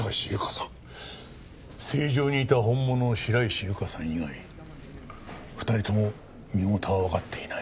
成城にいた本物の白石ゆかさん以外２人とも身元がわかっていない。